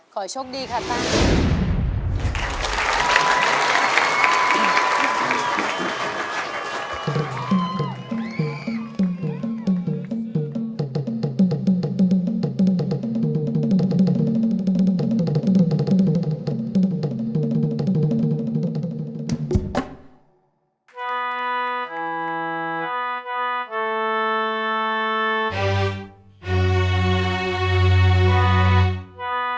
ขอโชคดีครับบ้าง